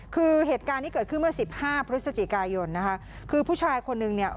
คือเหตุการณ์นี้เกิดขึ้นเมื่อสิบห้าพฤศจิกายนนะคะคือผู้ชายคนนึงเนี่ย